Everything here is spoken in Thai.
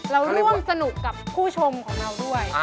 ร่วมสนุกกับผู้ชมของเราด้วย